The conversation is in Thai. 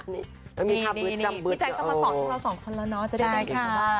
พี่แจก็มาฝากทั้งเราสองคนแล้วเนาะจะได้เห็นว่า